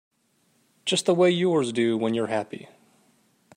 Just the way yours do when you're happy.